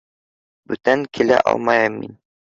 Бүтән килә алмайым мин.